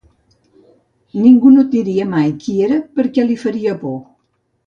Ningú no et diria mai qui era perquè li faria por.